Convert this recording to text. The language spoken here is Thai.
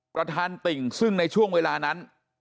ประธานติ่งซึ่งในช่วงเวลานั้น